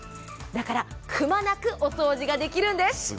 だから、くまなくお掃除ができるんです。